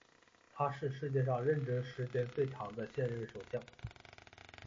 他是世界上任职时间最长的现任首相。